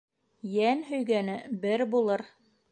Йән һөйгәне бер булыр.